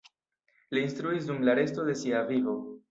Li instruis dum la resto de sia vivo.